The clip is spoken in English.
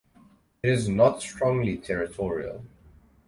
It is not strongly territorial.